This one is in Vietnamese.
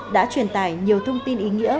đã truyền tải nhiều thông tin ý nghĩa